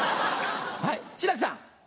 はい志らくさん。